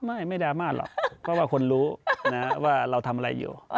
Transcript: ไม่ไม่ดราม่าหรอกเพราะว่าคนรู้ว่าเราทำอะไรอยู่